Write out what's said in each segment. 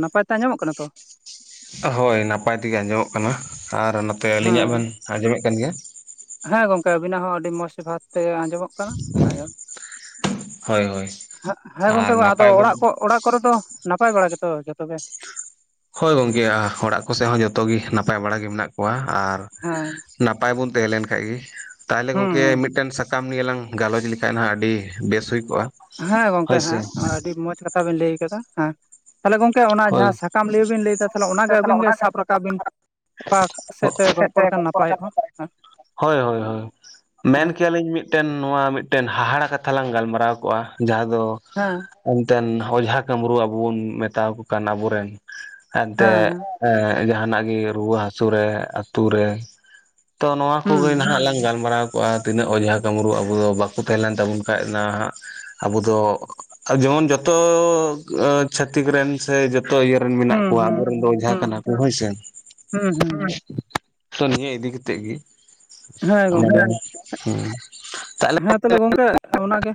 ᱱᱟᱯᱟᱭ ᱛᱮ ᱟᱡᱚᱢᱚᱜ ᱠᱟᱱᱟ ᱛᱚ? ᱦᱳᱭ ᱱᱟᱯᱟᱭ ᱛᱮᱜᱮ ᱟᱸᱡᱚᱢᱚᱜ ᱠᱟᱱᱟ ᱟᱨ ᱱᱚᱛᱮ ᱟᱹᱞᱤᱧᱟᱜ ᱵᱮᱱ ᱦᱮᱸ ᱟᱸᱡᱚᱢᱮᱫ ᱠᱟᱱ ᱜᱮᱭᱟ? ᱦᱮᱸ ᱜᱚᱢᱠᱮ ᱟᱹᱵᱤᱱᱟᱜ ᱦᱚᱸ ᱟᱹᱰᱤ ᱢᱚᱸᱡᱽ ᱵᱷᱟᱵᱽᱛᱮ ᱟᱸᱡᱚᱢᱚᱜ ᱠᱟᱱᱟ ᱟᱸᱡᱚᱢ᱾ ᱦᱳᱭ ᱦᱳᱭ ᱦᱮᱸᱜ ᱦᱮᱸ ᱟᱨ ᱜᱚᱝᱠᱮ ᱟᱫᱚ ᱱᱟᱯᱟᱭ ᱵᱚᱱ ᱚᱲᱟᱜ ᱠᱚ ᱚᱲᱟᱜ ᱠᱚᱨᱮ ᱫᱚ ᱱᱟᱯᱟᱭ ᱵᱟᱲᱟ ᱜᱮᱛᱚ ᱡᱷᱚᱛᱚ ᱜᱮ? ᱦᱳᱭ ᱜᱚᱝᱠᱮ ᱚᱲᱟᱜ ᱠᱚᱥᱮᱜ ᱦᱚᱸ ᱡᱷᱚᱛᱚ ᱜᱤ ᱱᱟᱯᱟᱭ ᱵᱟᱲᱟ ᱜᱮ ᱢᱮᱱᱟᱜ ᱠᱚᱣᱟ ᱟᱨ ᱦᱮᱸ᱾ ᱱᱟᱯᱟᱭ ᱵᱚᱱ ᱛᱟᱦᱮᱸ ᱞᱮᱱ ᱠᱷᱟᱱ ᱜᱤ ᱛᱟᱦᱚᱞᱮ ᱦᱩᱸ ᱜᱚᱝᱠᱮ ᱦᱩᱸ ᱢᱤᱫᱴᱮᱱ ᱥᱟ ᱥᱟᱠᱟᱢ ᱱᱤᱭᱮ ᱞᱟᱝ ᱜᱟᱞᱚᱪ ᱞᱮᱠᱷᱟᱡ ᱦᱟᱸᱜ ᱟᱹᱰᱤ ᱵᱮᱥ ᱦᱩᱭ ᱠᱚᱜᱼᱟ᱾ ᱦᱮᱸ ᱜᱚᱝᱠᱮ ᱦᱳᱭ ᱥᱮ ᱦᱮᱸ ᱟᱹᱰᱤ ᱢᱚᱸᱡᱽ ᱠᱟᱛᱷᱟ ᱵᱮᱱ ᱞᱟᱹᱭ ᱠᱟᱫᱟ ᱦᱮᱸ᱾ ᱛᱟᱦᱚᱞᱮ ᱜᱚᱝᱠᱮ ᱚᱱᱟ ᱦᱳᱭ ᱡᱟᱦᱟᱸ ᱥᱟᱠᱟᱢ ᱞᱟᱹᱭ ᱵᱤᱱ ᱞᱟᱹᱭᱫᱟ ᱛᱟᱦᱚᱞᱮ ᱚᱱᱟᱜᱮ ᱟᱹᱵᱤᱱ ᱜᱮ ᱥᱟᱵ ᱨᱟᱠᱟᱵ ᱵᱤᱱ᱾ ᱚᱠᱟ [unintelligible] ᱥᱮᱫ ᱛᱮ ᱜᱚᱞᱯᱚ ᱞᱮᱠᱷᱟᱱ ᱱᱟᱯᱟᱭᱚᱜᱼᱟ ᱦᱳᱭ ᱦᱳᱭ ᱦᱳᱭ᱾ ᱢᱮᱱ ᱦᱮᱸ ᱠᱮᱭᱟᱞᱤᱧ ᱢᱤᱫᱴᱮᱱ ᱱᱚᱣᱟ ᱢᱤᱫᱴᱮᱱ ᱦᱟᱦᱟᱲᱟ ᱠᱟᱛᱷᱟ ᱞᱟᱝ ᱜᱟᱞᱢᱟᱨᱟᱣ ᱠᱚᱜᱼᱟ ᱡᱟᱦᱟᱸ ᱫᱚ ᱦᱮᱸ᱾ ᱮᱱᱛᱮᱱ ᱚᱡᱷᱟ ᱠᱟᱹᱢᱨᱩ ᱟᱵᱚ ᱵᱚᱱ ᱢᱮᱛᱟᱣ ᱠᱚ ᱠᱟᱱ ᱟᱵᱚᱨᱮᱱ ᱮᱱᱛᱮᱜ ᱦᱮᱸ ᱮᱸᱜ ᱡᱟᱦᱟᱸᱱᱟᱜ ᱜᱮ ᱨᱩᱣᱟᱹ ᱦᱟᱹᱥᱩ ᱨᱮ ᱟᱛᱩ ᱨᱮ ᱛᱚ ᱱᱚᱣᱟ ᱦᱩᱸ ᱠᱚᱜᱮ ᱱᱟᱦᱟᱸᱜ ᱞᱟᱝ ᱜᱟᱞᱢᱟᱨᱟᱣ ᱠᱚᱣᱟ ᱛᱤᱱᱟᱹᱜ ᱚᱡᱷᱟ ᱠᱟᱹᱢᱨᱩ ᱟᱵᱚ ᱫᱚ ᱵᱟᱠᱚ ᱛᱟᱦᱮᱸ ᱞᱮᱱ ᱛᱟᱵᱚᱱ ᱠᱷᱟᱡ ᱱᱟᱦᱟᱸᱜ ᱟᱵᱚ ᱫᱚ ᱡᱮᱢᱚᱱ ᱡᱚᱛᱚ ᱪᱷᱟᱛᱤᱠ ᱨᱮᱱ ᱥᱮ ᱡᱚᱛᱚ ᱤᱭᱟᱹ ᱨᱮᱱ ᱢᱮᱱᱟᱜ ᱦᱩᱸ ᱠᱚᱣᱟ ᱦᱩᱸ ᱟᱵᱚᱨ ᱨᱮᱱ ᱫᱚ ᱚᱡᱷᱟ ᱦᱩᱸ ᱠᱟᱱᱟ ᱠᱚ ᱦᱳᱭ ᱥᱮ ᱦᱩᱸ ᱦᱩᱸ ᱛᱚ ᱱᱤᱭᱟᱹ ᱤᱫᱤ ᱠᱟᱛᱮᱜ ᱜᱮ ᱦᱮᱸ ᱜᱚᱝᱠᱮ ᱦᱩᱸ ᱦᱩᱸ ᱦᱮᱸ ᱛᱟᱦᱚᱞᱮ ᱜᱚᱝᱠᱮ ᱚᱱᱟᱜ ᱜᱮ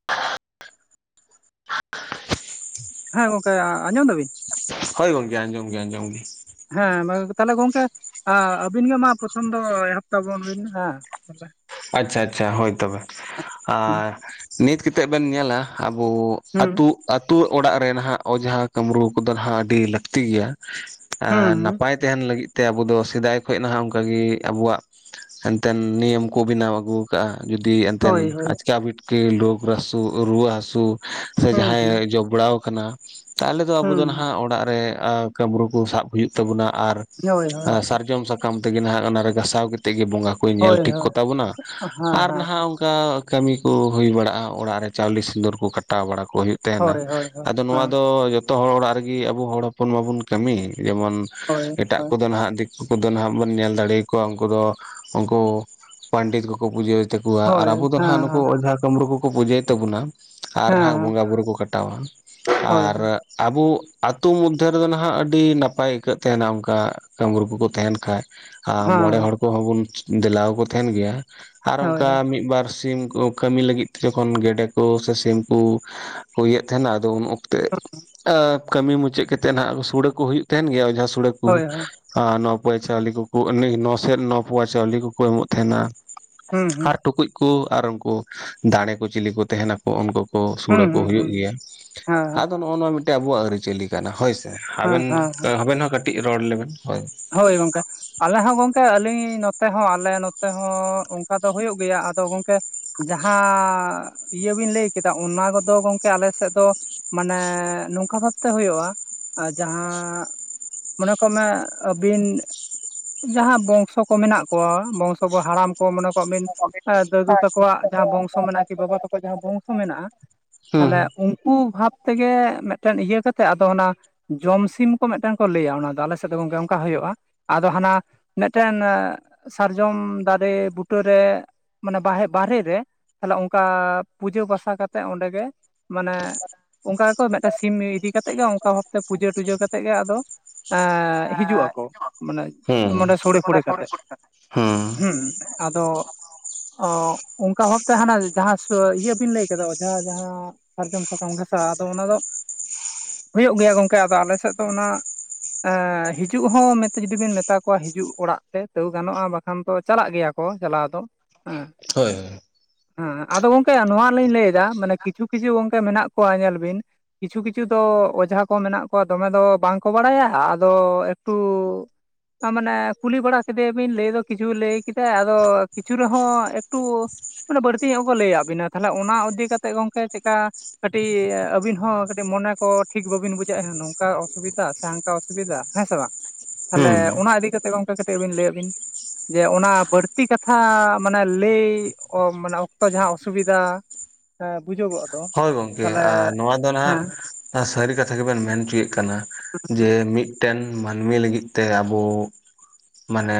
[unintelligible] ᱦᱮᱸ ᱜᱚᱝᱠᱮ ᱟᱸᱡᱚᱢ ᱫᱟᱵᱤᱱ, ᱦᱳᱭ ᱜᱚᱝᱠᱮ ᱟᱸᱡᱚᱢ ᱜᱮ ᱟᱸᱡᱚᱢ ᱜᱮ ᱦᱮᱸ ᱛᱟᱦᱚᱞᱮ ᱜᱚᱝᱠᱮ ᱟᱵᱤᱱ ᱜᱮ ᱢᱟ ᱯᱨᱚᱛᱷᱚᱢ ᱫᱚ ᱮᱦᱚᱯ ᱛᱟᱵᱚᱱ ᱵᱤᱱ ᱦᱮᱸ ᱟᱪᱷᱟ ᱟᱪᱷᱟ ᱦᱳᱭ ᱛᱚᱵᱮ ᱦᱩᱸ ᱟᱨ ᱱᱤᱛ ᱠᱮᱛᱮᱫ ᱵᱮᱱ ᱧᱮᱞᱟ ᱟᱵᱚ ᱦᱩᱸ ᱟᱹᱛᱩ ᱟᱹᱛᱩ ᱚᱲᱟᱜ ᱨᱮ ᱱᱟᱦᱟᱜ ᱚᱡᱷᱟ ᱠᱟᱢᱨᱩ ᱠᱚᱫᱚ ᱦᱟᱸᱜ ᱟᱹᱰᱤ ᱞᱟᱹᱠᱛᱤ ᱜᱮᱭᱟ᱾ ᱟᱻᱻ ᱦᱩᱸ ᱱᱟᱯᱟᱭ ᱛᱟᱦᱮᱱ ᱞᱟᱹᱜᱤᱫ ᱛᱮ ᱟᱵᱚ ᱫᱚ ᱥᱮᱫᱟᱭ ᱠᱷᱚᱱ ᱱᱟᱦᱟᱜ ᱚᱱᱠᱟ ᱜᱮ ᱟᱵᱚᱣᱟᱜ ᱮᱱᱛᱮᱱ ᱱᱤᱭᱚᱢ ᱠᱚ ᱵᱮᱱᱟᱣ ᱟᱹᱜᱩ ᱟᱠᱟᱜ-ᱟ ᱡᱩᱫᱤ ᱦᱳᱭ ᱮᱱᱛᱮᱱ ᱦᱳᱭ ᱟᱪᱠᱟ ᱵᱤᱴᱠᱟᱹ ᱦᱟᱹᱥᱩ ᱨᱩᱣᱟᱹ ᱦᱟᱹᱥᱩ ᱥᱮ ᱦᱩᱸ ᱦᱩᱸ ᱡᱟᱦᱟᱸᱭ ᱡᱚᱵᱲᱟᱣ ᱠᱟᱱᱟ ᱛᱟᱦᱞᱮ ᱫᱚ ᱟᱵᱚ ᱫᱚ ᱦᱩᱸ ᱦᱟᱸᱜ ᱚᱲᱟᱜ ᱨᱮ ᱟ ᱠᱟᱹᱢᱨᱳ ᱠᱚ ᱥᱟᱵ ᱦᱩᱭᱩᱜ ᱛᱟᱵᱚᱱᱟ ᱟᱨ ᱦᱳᱭ ᱦᱳᱭ ᱥᱟᱨᱡᱚᱢ ᱥᱟᱠᱟᱢ ᱥᱟᱠᱟᱢ ᱛᱮᱜᱮ ᱱᱟᱸᱜ ᱚᱱᱟ ᱨᱮ ᱜᱟᱥᱟᱣ ᱠᱟᱛᱮᱜ ᱜᱮ ᱵᱚᱸᱜᱟ ᱠᱚᱭ ᱦᱳᱭ ᱧᱮᱞ ᱴᱷᱤᱠ ᱦᱳᱭ ᱠᱚ ᱛᱟᱵᱚᱱᱟ ᱦᱮᱸ ᱟᱨ ᱦᱮᱸ ᱱᱟᱦᱟᱜ ᱚᱱᱠᱟ ᱠᱟᱹᱢᱤ ᱠᱚ ᱦᱩᱭ ᱵᱟᱲᱟᱜ-ᱟ ᱚᱲᱟᱜ ᱨᱮ ᱪᱟᱣᱞᱮ ᱥᱤᱸᱫᱩᱨ ᱠᱚ ᱠᱟᱴᱟᱣ ᱵᱟᱲᱟ ᱠᱚ ᱦᱩᱭᱩᱜ ᱛᱮ ᱱᱟ ᱦᱳᱭ ᱦᱳᱭ ᱦᱳᱭ ᱟᱫᱚ ᱱᱚᱣᱟ ᱦᱮᱸ ᱫᱚ ᱡᱚᱛᱚ ᱦᱚᱲ ᱚᱲᱟᱜ ᱨᱮᱜᱮ ᱟᱵᱚ ᱦᱚᱲ ᱦᱚᱯᱚᱱ ᱢᱟᱵᱚᱱ ᱠᱟᱹᱢᱤ ᱡᱮᱢᱚᱱ ᱦᱳᱭ ᱮᱴᱟᱜ ᱦᱳᱭ ᱠᱚᱫᱚ ᱱᱟᱦᱟᱜ ᱫᱤᱠᱩ ᱫᱚ ᱩᱱᱠᱩ ᱫᱚ ᱱᱟᱦᱟᱜ ᱵᱚᱱ ᱧᱮᱞ ᱫᱟᱲᱮ ᱟᱠᱚᱣᱟ ᱩᱱᱠᱩ ᱫᱚ ᱩᱱᱠᱩ ᱯᱟᱱᱰᱤᱛ ᱠᱚ ᱠᱚ ᱯᱩᱡᱟᱹ ᱛᱮᱠᱚᱣᱟ ᱟᱨ ᱦᱳᱭ ᱦᱮᱸ ᱦᱮᱸ ᱟᱵᱩ ᱫᱚ ᱦᱮᱸ ᱦᱟᱸᱜ ᱱᱩᱠᱩ ᱦᱮᱸ ᱚᱡᱷᱟ ᱠᱟᱹᱢᱨᱩ ᱠᱚᱠᱚ ᱯᱩᱡᱟᱹᱭ ᱛᱟᱵᱚᱱᱟ ᱟᱨ ᱦᱟᱸ ᱵᱚᱸᱜᱟ ᱵᱩᱨᱩ ᱠᱚ ᱠᱟᱴᱟᱣᱟ ᱦᱳᱭ ᱦᱳᱭ ᱦᱮᱸ ᱟᱨ, ᱟᱵᱚ ᱟᱛᱳ ᱢᱚᱫᱽᱫᱷᱮ ᱨᱮᱫᱚ ᱱᱟᱦᱟᱜ ᱟᱹᱰᱤ ᱱᱟᱯᱟᱭ ᱟᱹᱭᱠᱟᱹᱜ ᱛᱟᱦᱮᱱᱟ ᱚᱱᱠᱟ ᱠᱟᱹᱢᱲᱩ ᱠᱚ ᱠᱚ ᱛᱟᱦᱮᱱ ᱠᱷᱟᱡ ᱟ ᱢᱚᱬᱮ ᱦᱚᱲ ᱦᱳᱭ ᱠᱚᱦᱚᱸ ᱵᱩᱱ ᱫᱮᱞᱟ ᱟᱠᱚᱣᱟ ᱛᱟᱦᱮᱱ ᱜᱮ ᱟᱨ ᱦᱳᱭ ᱚᱱᱠᱟ ᱦᱳᱭ ᱢᱤᱫ ᱵᱟᱨ ᱥᱤᱢ ᱠᱚ ᱠᱟᱹᱢᱤ ᱞᱟᱹᱜᱤᱫ ᱛᱮ ᱡᱚᱠᱷᱚᱱ ᱜᱮᱰᱮ ᱠᱚ ᱥᱮ ᱥᱤᱢ ᱠᱩ ᱦᱩᱭᱮᱫ ᱛᱟᱦᱮᱸᱱᱟ ᱟᱫᱚ ᱩᱱ ᱚᱠᱛᱮ ᱮᱸ ᱠᱟᱹᱢᱤ ᱢᱩᱪᱟᱹᱫ ᱠᱟᱛᱮᱜ ᱱᱟᱦᱟᱜ ᱥᱩᱲᱮ ᱠᱚ ᱦᱩᱭᱩᱜ ᱛᱟᱦᱮᱱ ᱜᱮᱭᱟ ᱚᱡᱷᱟ ᱥᱩᱲᱮ ᱦᱳᱭ ᱦᱳᱭ ᱟᱨ ᱱᱚ ᱯᱚᱭ ᱪᱟᱣᱞᱤ ᱠᱚᱠᱚ [inaudible] ᱱᱚᱥᱮᱫ ᱱᱚᱣ ᱯᱳᱣᱟ ᱪᱟᱣᱞᱤ ᱠᱚᱠᱚ ᱮᱢᱚᱜ ᱛᱟᱦᱮᱱᱟ᱾ ᱦᱩᱸ ᱦᱩᱸ ᱟᱨ ᱴᱩᱠᱩᱡ ᱠᱩᱹ ᱟᱨ ᱩᱱᱠᱩ ᱫᱟᱸᱲᱮ ᱠᱚ ᱪᱤᱞᱤ ᱠᱚ ᱛᱟᱦᱮᱱᱟ᱾ ᱩᱱᱠᱩ ᱠᱚ ᱥᱩᱲᱮ ᱦᱩᱸ ᱠᱚ ᱦᱩᱸ ᱦᱩᱭᱩᱜ ᱦᱩᱸ ᱜᱮᱭᱟ ᱦᱮᱸ ᱦᱮᱸ ᱟᱫᱚ ᱱᱚᱜ-ᱚᱭ ᱱᱚᱣᱟ ᱢᱤᱫᱴᱮᱱ ᱟᱵᱚᱣᱟᱜ ᱟᱹᱨᱤ ᱪᱟᱹᱞᱤ ᱠᱟᱱᱟ ᱦᱳᱭ ᱥᱮ ᱦᱮᱸ ᱦᱮᱸ ᱟᱵᱮᱱ ᱦᱮᱸ ᱟᱵᱮᱱ ᱦᱚᱸ ᱠᱟᱹᱴᱤᱡ ᱨᱚᱲ ᱞᱮᱵᱮᱱ ᱦᱳᱭ- ᱦᱳᱭ ᱜᱚᱝᱠᱮ ᱾ ᱟᱞᱮ ᱦᱚᱸ ᱜᱚᱝᱠᱮ ᱟᱹᱞᱤᱧ ᱱᱚᱛᱮ ᱦᱚᱸ ᱟᱞᱮ ᱱᱚᱛᱮ ᱦᱚᱸ ᱚᱝᱠᱟ ᱫᱚ ᱦᱳᱭᱳᱜ ᱜᱮᱭᱟ ᱟᱫᱚ ᱜᱚᱝᱠᱮ ᱡᱟᱦᱟᱸ ᱤᱭᱟᱹ ᱵᱤᱱ ᱞᱟᱹᱭ ᱠᱮᱫᱟ ᱚᱱᱟ ᱠᱚᱫᱚ ᱜᱚᱝᱠᱮ ᱟᱞᱮ ᱥᱮᱫ ᱫᱚ ᱢᱟᱱᱮ ᱱᱚᱝᱠᱟ ᱵᱷᱟᱵᱛᱮ ᱦᱳᱭᱳᱜ-ᱟ ᱡᱟᱦᱟᱸ ᱢᱚᱱᱮ ᱠᱚᱜ ᱢᱮ? ᱟᱹᱵᱤᱱ ᱡᱟᱦᱟᱸ ᱵᱚᱝᱥᱚ ᱠᱚ ᱢᱮᱱᱟᱜ ᱠᱚᱣᱟ ᱵᱚᱝᱥᱚ ᱠᱚ ᱦᱟᱲᱟᱢ ᱠᱚ ᱢᱚᱱᱮ ᱠᱚᱟᱜ ᱵᱤᱱ, ᱟᱸ ᱫᱟᱫᱩ ᱛᱟᱠᱚᱣᱟᱜ ᱡᱟᱦᱟᱸ ᱵᱚᱝᱥᱚ ᱢᱮᱱᱟᱜ-ᱟ ᱠᱤ ᱵᱟᱵᱟ ᱛᱟᱠᱚᱣᱟᱜ ᱡᱟᱦᱟᱸ ᱵᱚᱝᱥᱚ ᱢᱮᱱᱟᱜ-ᱟ ᱛᱟᱦᱞᱮ ᱦᱩᱸ ᱩᱝ ᱠᱩ ᱵᱷᱟᱵᱽ ᱛᱮᱜᱮ ᱢᱤᱜᱴᱮᱱ ᱤᱭᱟᱹ ᱠᱟᱛᱮ ᱟᱫᱚ ᱚᱱᱟ ᱡᱚᱢ ᱥᱤᱢ ᱠᱚ ᱢᱤᱫᱴᱟᱝ ᱠᱚ ᱞᱟᱹᱭᱟ ᱚᱱᱟ ᱫᱚ ᱟᱞᱮ ᱥᱮᱫ ᱫᱚ ᱜᱚᱝᱠᱮ ᱚᱱᱠᱟ ᱦᱩᱭᱩᱜ-ᱟ ᱟᱫᱚ ᱦᱟᱱᱟ ᱢᱤᱫᱴᱮᱱ ᱥᱟᱨᱡᱚᱢ ᱫᱟᱨᱮ ᱵᱩᱴᱟᱹᱨᱮ ᱢᱟᱱᱮ ᱵᱟᱦᱮᱨ ᱵᱟᱦᱨᱮ ᱨᱮ ᱛᱟᱦᱞᱮ ᱚᱱᱠᱟ ᱯᱩᱡᱟᱹ ᱵᱟᱥᱟ ᱠᱟᱛᱮ ᱚᱸᱰᱮᱜᱮ ᱢᱟᱱᱮ ᱚᱱᱠᱟ ᱜᱮᱠᱚ ᱢᱤᱫᱴᱮᱱ ᱥᱤᱢ ᱤᱫᱤ ᱠᱟᱛᱮᱜ ᱜᱮ ᱚᱱᱠᱟ ᱵᱷᱟᱵᱛᱮ ᱯᱩᱡᱟᱹ ᱴᱩᱡᱟᱹ ᱠᱟᱛᱮᱜ ᱜᱮ ᱟᱫᱚ ᱮᱸᱻᱻ ᱦᱤᱡᱩᱜ ᱟᱠᱚ ᱢᱟᱱᱮ ᱦᱩᱸ ᱢᱟᱱᱮ ᱥᱚᱲᱮ ᱯᱷᱚᱲᱮ ᱠᱟᱛᱮᱜ ᱦᱩᱸ ᱟᱫᱚ [unintelligible] ᱚ ᱚᱱᱠᱟ ᱵᱷᱟᱵ ᱛᱮ ᱦᱟᱱᱟ ᱡᱟᱦᱟᱸ ᱤᱭᱟᱹ ᱵᱤᱱ ᱞᱟᱹᱭ ᱠᱮᱫᱟ ᱡᱟᱦᱟᱸ ᱡᱟᱦᱟᱸ ᱥᱟᱨᱡᱚᱢ ᱥᱟᱠᱟᱢ ᱜᱷᱟᱥᱟᱣᱼᱟ ᱟᱫᱚ ᱚᱱᱟ ᱫᱚ ᱦᱩᱭᱩᱜ ᱜᱮᱭᱟ ᱜᱚᱝᱠᱮ ᱟᱫᱚ ᱟᱞᱮᱥᱮᱫ ᱫᱚ ᱚᱱᱟ ᱮᱸ ᱦᱤᱡᱩᱜ ᱦᱚᱸ ᱢᱮᱱᱛᱮ ᱡᱩᱫᱤ ᱵᱮᱱ ᱢᱮᱛᱟ ᱠᱚᱣᱟ ᱦᱤᱡᱩᱜ ᱚᱲᱟᱜ ᱛᱮ ᱛᱟᱹᱣ ᱜᱟᱱᱚᱜᱼᱟ ᱵᱟᱠᱷᱟᱱ ᱫᱚ ᱪᱟᱞᱟᱜ ᱜᱮᱭᱟ ᱠᱚ ᱪᱟᱞᱟᱣ ᱫᱚ। ᱦᱮᱸ ᱦᱳᱭ ᱦᱳᱭ। ᱦᱮᱸ ᱟᱫᱚ ᱜᱚᱝᱠᱮ ᱱᱚᱣᱟ ᱞᱤᱧ ᱞᱟᱹᱭ ᱫᱟ ᱢᱟᱱᱮ ᱠᱤᱪᱷᱩ ᱠᱤᱪᱷᱩ ᱜᱚᱝᱠᱮ ᱢᱮᱱᱟᱜ ᱠᱚᱣᱟ ᱧᱮᱞ ᱵᱤᱱ। ᱠᱤᱪᱷᱩ ᱠᱤᱪᱷᱩ ᱫᱚ ᱚᱡᱷᱟ ᱠᱚ ᱢᱮᱱᱟᱜ ᱠᱚᱣᱟ ᱫᱚᱢᱮ ᱫᱚ ᱵᱟᱝ ᱠᱚ ᱵᱟᱲᱟᱭᱟ ᱟᱫᱚ ᱴᱩ ᱟ ᱢᱟᱱᱮ ᱠᱩᱞᱤ ᱵᱟᱲᱟ ᱠᱮᱫᱮ ᱭᱟᱵᱤᱱ ᱞᱟᱹᱭ ᱫᱚ ᱠᱤᱪᱷᱩ ᱞᱟᱹᱭ ᱠᱮᱫᱟ ᱟᱫᱚ ᱠᱤᱪᱷᱩ ᱨᱮᱦᱚᱸ ᱮᱠᱴᱩ ᱢᱟᱱᱮ ᱵᱟᱹᱲᱛᱤ ᱧᱚᱜ ᱜᱮ ᱠᱚ ᱞᱟᱹᱭᱟᱫ ᱵᱤᱱᱟ ᱛᱟᱦᱚᱞᱮ ᱚᱱᱟ ᱤᱫᱤ ᱠᱟᱛᱮᱫ ᱜᱚᱝᱠᱮ ᱪᱮᱫᱠᱟ। ᱠᱟᱹᱴᱤᱡ ᱟᱹᱵᱤᱱ ᱦᱚᱸ ᱠᱟᱹᱴᱤᱡ ᱢᱚᱱᱮ ᱠᱚ ᱴᱷᱤᱠ ᱵᱟᱹᱵᱤᱱ ᱵᱩᱡᱷᱟᱹᱜᱼᱟ ᱱᱚᱝᱠᱟ ᱚᱥᱩᱵᱤᱫᱟ ᱥᱮ ᱦᱟᱝᱠᱟ ᱚᱥᱩᱵᱤᱫᱟ ᱦᱮᱸ ᱥᱮ ᱵᱟᱝ? ᱛᱟᱦᱚᱞᱮ ᱦᱩᱸ ᱚᱱᱟ ᱤᱫᱤ ᱠᱟᱛᱮᱜ ᱜᱚᱝᱠᱮ ᱠᱟᱹᱴᱤᱡᱵᱤᱱ ᱞᱟᱹᱭᱟᱜ ᱵᱤᱱ। ᱡᱮ ᱚᱱᱟ ᱵᱟᱹᱲᱛᱤ ᱠᱟᱛᱷᱟ ᱢᱟᱱᱮ ᱞᱟᱹᱭ ᱢᱟᱱᱮ ᱚᱠᱛᱚ ᱡᱟᱦᱟᱸ ᱚᱥᱩᱵᱤᱫᱷᱟ। ᱦᱮᱸ ᱵᱩᱡᱩᱜᱚᱜᱼᱟ। ᱦᱳᱭ ᱜᱚᱝᱚᱢᱠᱮ ᱟᱸ ᱱᱚᱣᱟ ᱫᱚ ᱱᱟᱦᱟᱜ ᱥᱟᱹᱨᱤ ᱠᱟᱛᱷᱟ ᱜᱮᱵᱮᱱ ᱢᱮᱱᱪᱚᱭᱮᱫ ᱠᱟᱱᱟ ᱡᱮ ᱢᱤᱫ। ᱢᱤᱫᱴᱮᱱ ᱢᱟᱹᱱᱢᱤ ᱞᱟᱹᱜᱤᱫ ᱛᱮ ᱟᱵᱚ ᱢᱟᱱᱮ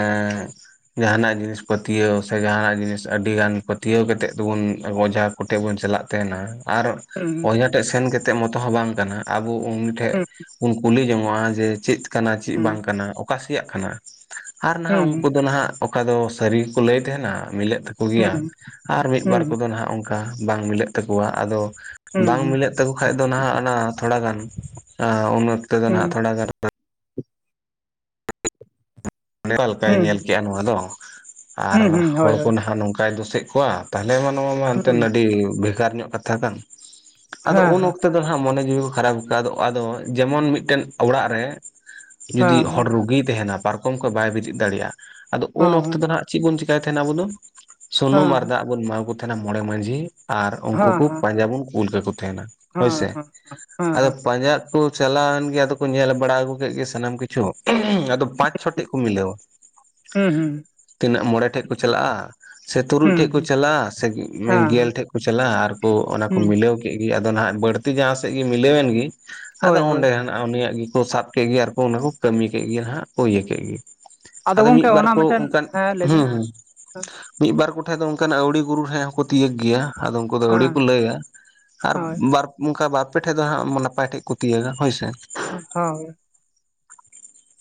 ᱡᱟᱦᱟᱱᱟᱜ ᱡᱤᱱᱤᱥ ᱯᱟᱹᱛᱭᱟᱹᱣ ᱥᱮ ᱡᱟᱦᱟᱱᱟᱜ ᱡᱤᱱᱤᱥ ᱟᱹᱰᱤ ᱜᱟᱱ ᱯᱟᱹᱛᱭᱟᱹᱣ ᱠᱟᱛᱮᱫ ᱫᱚᱵᱚᱱ ᱚᱡᱷᱟ। ᱠᱚᱴᱷᱮᱡ ᱵᱚᱱ ᱪᱟᱞᱟᱜ ᱛᱟᱦᱮᱱᱟ। ᱟᱨ ᱦᱩᱸ ᱚᱡᱟ ᱴᱷᱮᱜ ᱥᱮᱱ ᱠᱟᱛᱮ ᱢᱚᱛᱚ ᱦᱚᱸ ᱵᱟᱝ ᱠᱟᱱᱟ ᱟᱵᱚ ᱩᱱᱤ ᱴᱷᱮᱜ ᱵᱚᱱ ᱠᱩᱞᱤ ᱡᱚᱝᱚᱜᱼᱟ ᱡᱮ ᱪᱮᱫ ᱠᱟᱱᱟ ᱪᱮᱫ ᱦᱩᱸ ᱵᱟᱝ ᱠᱟᱱᱟ ᱚᱠᱟᱥᱮᱭᱟᱜ ᱠᱟᱱᱟ? ᱟᱨ ᱱᱟᱦᱟᱜ ᱩᱱᱠᱩ ᱦᱩᱸ ᱫᱚ ᱱᱟᱦᱟᱜ ᱚᱠᱟ ᱫᱚ ᱥᱟᱹᱨᱤ ᱜᱮᱠᱚ ᱞᱟᱹᱭ ᱛᱟᱦᱮᱱᱟ ᱢᱤᱞᱟ. ᱜ ᱛᱟ ᱠᱚ ᱦᱩᱸ ᱜᱮᱭᱟ ᱟᱨ ᱢᱤᱫ ᱵᱟᱨ ᱦᱩᱸ ᱠᱚᱫᱚ ᱱᱟᱦᱟᱜ ᱚᱱᱠᱟ ᱵᱟᱝ ᱢᱤᱞᱟᱹᱜ ᱛᱟᱠᱚᱣᱟ ᱟᱫᱚ ᱦᱩᱸ ᱵᱟᱝ ᱦᱩᱸ ᱢᱤᱞᱟᱹᱜ ᱛᱟᱠᱚ ᱠᱷᱟᱡ ᱫᱚ ᱱᱟᱦᱟᱜ ᱚᱱᱟ ᱛᱷᱚᱲᱟ ᱜᱟᱱ ᱟᱸ ᱩᱱ ᱚᱠᱛᱚ ᱛᱮᱫᱚ ᱦᱩᱸ ᱦᱩᱸ ᱱᱟᱦᱟᱜ ᱦᱩᱸ ᱛᱷᱚᱲᱟ ᱜᱟᱱ। ᱚᱠᱟᱞᱮᱠᱟᱭ ᱦᱩᱸ ᱧᱮᱞ ᱠᱮᱜᱼᱟ ᱱᱚᱣᱟ ᱫᱚ ᱟᱨ ᱦᱩᱸ ᱦᱩᱸ ᱦᱚᱲ ᱦᱳᱭ ᱠᱚ ᱦᱳᱭ ᱱᱟᱦᱟᱜ ᱱᱚᱝᱠᱟᱭ ᱫᱳᱥᱮᱜ ᱠᱚᱣᱟ। ᱛᱟᱦᱚᱞᱮ ᱢᱟ ᱱᱚᱣᱟ ᱢᱟ ᱮᱱᱛᱮᱱ ᱦᱩᱸ ᱟᱹᱰᱤ ᱵᱷᱮᱜᱟᱨ ᱧᱚᱜ ᱠᱟᱛᱷᱟ ᱠᱟᱱ ᱟᱫᱚ ᱦᱮᱸ ᱩᱱ ᱦᱮᱸ ᱚᱠ ᱫᱚ ᱦᱟᱸᱜ ᱢᱚᱱᱮ ᱡᱤᱣᱤ ᱠᱚ ᱠᱷᱟᱨᱟᱯ ᱟ‌. ᱭᱠᱟ. ᱟᱫᱚ- ᱟᱫᱚ ᱡᱮᱢᱚᱱ ᱢᱤᱫᱴᱮᱱ ᱚᱲᱟᱜ ᱨᱮ। ᱡᱩᱫᱤ ᱦᱮᱸ ᱦᱚᱲ ᱦᱮᱸ ᱨᱩᱜᱤᱭ ᱛᱟᱦᱮᱱᱟ ᱯᱟᱨᱠᱚᱢ ᱠᱷᱚᱡ ᱵᱟᱭ ᱵᱮᱨᱮᱫ ᱫᱟᱲᱮᱭᱟᱜᱼᱟ ᱟᱫᱚ ᱩᱱ ᱚᱠᱛᱚ ᱦᱮᱸ ᱫᱚ ᱱᱟᱜ ᱪᱮᱫ ᱵᱚᱱ ᱪᱮᱤᱠᱟᱭ ᱛᱟᱦᱮᱸᱱᱟ ᱟᱵᱚ ᱫᱚ ᱦᱮᱸ ᱥᱩᱱᱩᱢ ᱟᱨ ᱦᱮᱸ ᱫᱟᱜ ᱵᱚᱱ ᱮᱢᱟ ᱠᱚ ᱛᱟᱦᱮᱱᱟ ᱢᱚᱬᱮ ᱢᱟᱺᱡᱷᱤ। ᱟᱨ ᱩᱱᱠᱩ ᱦᱮᱸ ᱠᱚ ᱯᱟᱸᱡᱟ ᱵᱚᱱ ᱠᱩᱞ ᱠᱟᱠᱚ ᱛᱟᱦᱮᱱᱟ ᱦᱮᱸ ᱦᱳᱭᱥᱮ ᱦᱮᱸ ᱦᱮᱸ ᱟᱫᱚ ᱦᱮᱸ ᱯᱟᱸᱡᱟ ᱠᱚ ᱪᱟᱞᱟᱣ ᱮᱱ ᱜᱮ ᱟᱫᱚ ᱠᱚ ᱧᱮᱞ ᱵᱟᱲᱟ ᱟᱹᱜᱩ ᱠᱮᱫ ᱜᱮ ᱥᱟᱱᱟᱢ ᱠᱤᱪᱷᱩ ᱟᱫᱚ ᱯᱟᱸᱪ ᱪᱷᱚ ᱛᱮᱫ ᱠᱚ ᱢᱤᱞᱟᱹᱣᱟ ᱦᱩᱸ ᱦᱩᱸ ᱛᱤᱱᱟᱹᱜ ᱢᱚᱬᱮ ᱴᱷᱮᱜ ᱠᱚ ᱪᱟᱞᱟᱜᱼᱟ। ᱥᱮ ᱦᱩᱸ ᱛᱩᱨᱩᱡ ᱴᱷᱮᱡ ᱠᱚ ᱦᱩᱸ ᱪᱟᱞᱟᱜᱼᱟ ᱥᱮ ᱜᱮᱞ ᱦᱮᱸ ᱴᱷᱮᱡ ᱠᱚ ᱪᱟᱞᱟᱜᱼᱟ ᱟᱨ ᱠᱚ ᱚᱱᱟ ᱠᱚ ᱦᱩᱸ ᱢᱤᱞᱟᱹᱣ। ᱜᱮᱫ ᱜᱮ ᱟᱫᱚ ᱱᱟᱦᱟᱜ ᱵᱟᱹᱲᱛᱤ ᱡᱟᱦᱟᱸ ᱥᱮᱫ ᱜᱮ ᱢᱤᱞᱟᱹᱣ ᱮᱱ ᱜᱮ ᱟᱫᱚ ᱦᱳᱭ ᱚᱸᱰᱮ। ᱦᱳᱭ ᱩᱱᱤᱭᱟᱜ ᱜᱮᱠᱚ ᱥᱟᱵ ᱠᱮᱫ ᱜᱮ ᱟᱨᱠᱚ ᱚᱱᱟ ᱠᱚ ᱠᱟᱹᱢᱤ ᱠᱮᱫ ᱜᱮ ᱦᱟᱸᱜ ᱠᱚ ᱤᱭᱟᱹ ᱠᱮᱫ ᱜᱮ। ᱟᱫᱚ ᱜᱚᱝᱠᱮ ᱢᱤᱫᱵᱟᱨ ᱚᱱᱟ ᱠᱚ ᱢᱤᱫᱴᱮᱱ ᱚᱱᱠᱟᱱ ᱦᱮᱸ ᱞᱟᱹᱭᱵᱤᱱ ᱦᱩᱸ। ᱦᱮᱸ ᱢᱤᱫᱵᱟᱨ ᱠᱚᱴᱷᱮᱡ ᱫᱚ ᱚᱱᱠᱟᱱᱟᱜ ᱟᱹᱣᱲᱤ ᱜᱩᱨᱩ ᱴᱷᱮᱱ ᱦᱚᱸᱠᱚ ᱛᱤᱭᱟᱹᱜ ᱜᱮᱭᱟ। ᱟᱫᱚ ᱩᱱᱠᱩ ᱫᱚ ᱟᱹᱣᱲᱤ ᱠᱚ ᱞᱟᱹᱭᱟ ᱟᱨ ᱦᱳᱭ ᱵᱟᱨ ᱚᱱᱠᱟ ᱵᱟᱨ ᱯᱮ ᱴᱷᱮᱡ ᱫᱚ ᱦᱟᱸᱜ ᱱᱟᱯᱟᱭ ᱴᱷᱮᱡ ᱠᱚ ᱛᱤᱭᱟ ᱦᱳᱭᱥᱮ? ᱦᱳᱭ